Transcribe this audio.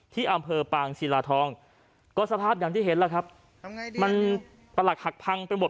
ที่อำเภอปางศิลาทองก็สภาพอย่างที่เห็นล่ะครับมันประหลักหักพังไปหมด